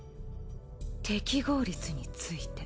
適合率について。